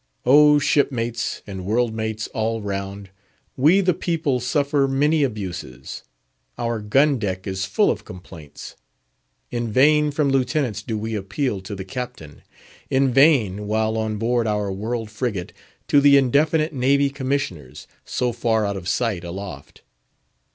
Oh, shipmates and world mates, all round! we the people suffer many abuses. Our gun deck is full of complaints. In vain from Lieutenants do we appeal to the Captain; in vain—while on board our world frigate—to the indefinite Navy Commissioners, so far out of sight aloft.